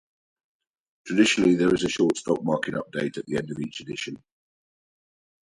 Traditionally, there is a short stock market update at the end of each edition.